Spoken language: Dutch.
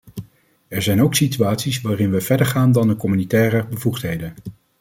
Er zijn ook situaties waarin we verder gaan dan de communautaire bevoegdheden.